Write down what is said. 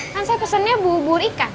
kan saya pesennya bubur ikan